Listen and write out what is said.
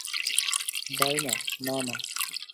By না, না, না।